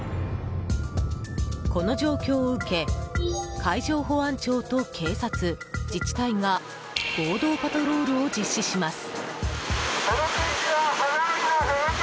この状況を受け海上保安庁と警察、自治体が合同パトロールを実施します。